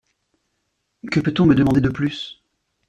Que peut-on me demander de plus ?